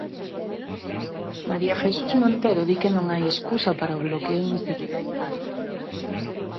María Jesús Montero di que non hai escusa para o bloqueo institucional.